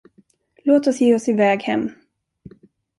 Låt oss ge oss iväg hem.